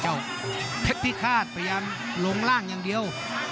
เจ้าเพชรพิฆาตพยายามลงล่างอย่างเดียว